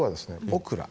オクラ。